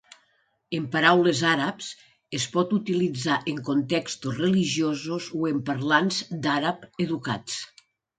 En paraules àrabs, es pot utilitzar en contextos religiosos o en parlants d'àrab educats.